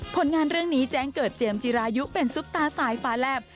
ผลงานเรื่องนี้แจ้งเกิดเจมส์จิรายุเป็นซุปตาสายฟ้าแลบ